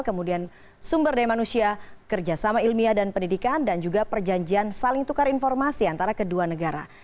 kemudian sumber daya manusia kerjasama ilmiah dan pendidikan dan juga perjanjian saling tukar informasi antara kedua negara